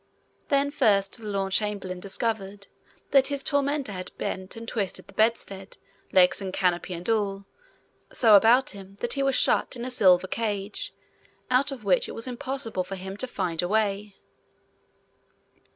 Then first the lord chamberlain discovered that his tormentor had bent and twisted the bedstead, legs and canopy and all, so about him that he was shut in a silver cage out of which it was impossible for him to find a way.